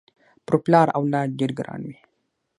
پر پلار اولاد ډېر ګران وي